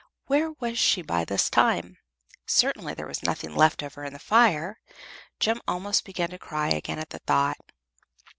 Where was she by this time? Certainly there was nothing left of her in the fire. Jem almost began to cry again at the thought.